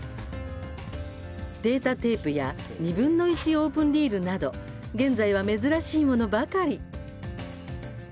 ベータテープや２分の１オープンリールなど現在は珍しいものばかり！